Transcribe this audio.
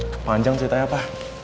ke panjang ceritanya pa